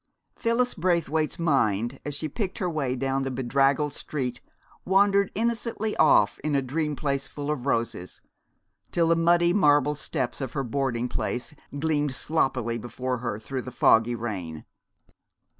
Phyllis Braithwaite's mind, as she picked her way down the bedraggled street, wandered innocently off in a dream place full of roses, till the muddy marble steps of her boarding place gleamed sloppily before her through the foggy rain.